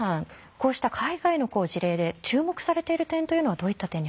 こうした海外の事例で注目されている点というのはどういった点にありますか？